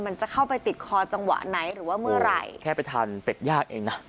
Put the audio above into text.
มันจะเข้าไปติดคอจังหวะไหนหรือว่าเมื่อไหร่แค่ไปทานเป็ดย่างเองนะ